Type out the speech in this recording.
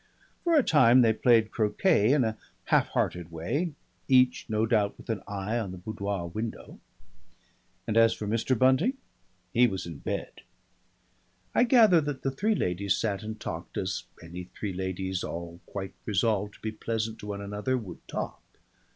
For a time they played croquet in a half hearted way, each no doubt with an eye on the boudoir window. (And as for Mr. Bunting, he was in bed.) I gather that the three ladies sat and talked as any three ladies all quite resolved to be pleasant to one another would talk.